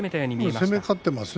攻め勝ってますね